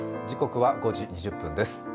時刻は５時２０分です。